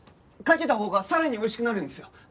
かけたほうがさらに美味しくなるんですよ。